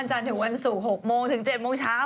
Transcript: สวัสดีครับ